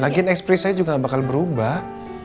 lagian ekspres saya juga gak bakal berubah